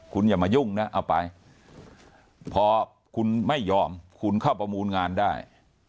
คุณอย่ามายุ่งนะเอาไปพอคุณไม่ยอมคุณเข้าประมูลงานได้